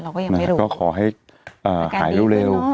ก็ยังไม่รู้ก็ขอให้หายเร็ว